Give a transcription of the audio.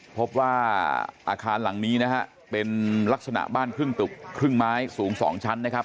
พบว่าอาคารหลังนี้นะฮะเป็นลักษณะบ้านครึ่งตึกครึ่งไม้สูง๒ชั้นนะครับ